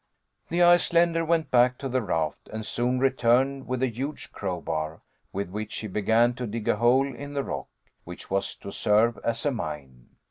The Icelander went back to the raft, and soon returned with a huge crowbar, with which he began to dig a hole in the rock, which was to serve as a mine.